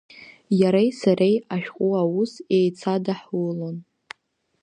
Иареи сареи ашәҟәы аус еицадаҳулон.